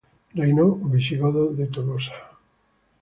Reino visigodo de Tolosa